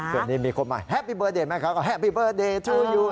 เดือนนี้มีคนมาแฮปปี้เบิร์ตเดย์แม่ค้าก็แฮปปี้เบิร์ตเดย์ทูยู